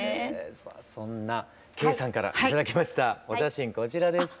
さあそんなケイさんから頂きましたお写真こちらです。